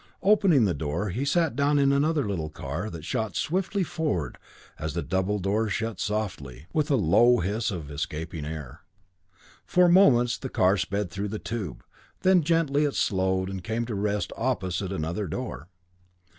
Opening the door he sat down in another little car that shot swiftly forward as the double door shut softly, with a low hiss of escaping air. For moments the car sped through the tube, then gently it slowed and came to rest opposite another door.